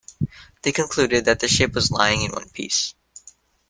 They concluded that the ship was lying in one piece.